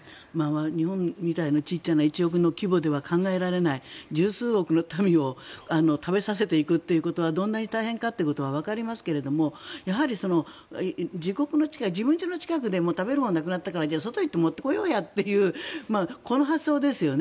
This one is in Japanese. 日本みたいな小さな１億人の規模では考えられない１０数億の民を食べさせていくということはどんなに大変かということはわかりますけれどもやはり自国のというか自分の家の近くで食べるものがなくなったから外に行って持って来ようやというこの発想ですよね。